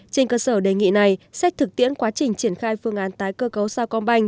trên cơ sở đề nghị này xét thực tiễn quá trình triển khai phương án tái cơ cấu sao công banh